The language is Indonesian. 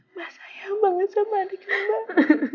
mbak sayang banget sama adiknya mbak